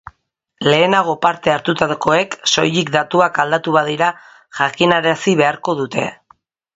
Lehenago parte hartutakoek soilik datuak aldatu badira jakinarazi beharko dute.